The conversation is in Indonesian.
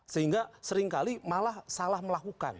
sehingga seringkali malah salah melakukan